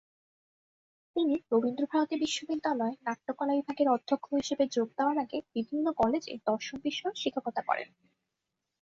তিনি রবীন্দ্রভারতী বিশ্ববিদ্যালয়ে নাট্যকলা বিভাগের অধ্যক্ষ হিসেবে যোগ দেওয়ার আগে বিভিন্ন কলেজে দর্শন বিষয়েও শিক্ষকতা করেন।